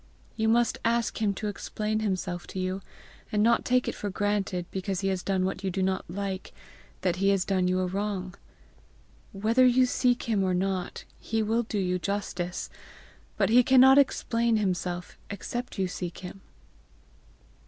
You must ask him to explain himself to you, and not take it for granted, because he has done what you do not like, that he has done you a wrong. Whether you seek him or not, he will do you justice; but he cannot explain himself except you seek him."